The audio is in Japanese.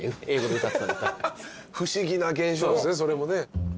不思議な現象ですねそれもね。